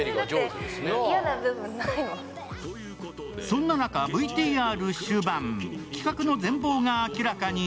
そんな中、ＶＴＲ終盤、企画の全貌が明らかに。